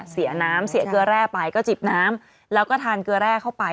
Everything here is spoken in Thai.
เสียน้ำเสียเกลือแร่ไปก็จิบน้ำแล้วก็ทานเกลือแร่เข้าไป